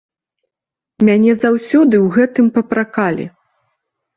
Мяне заўсёды ў гэтым папракалі.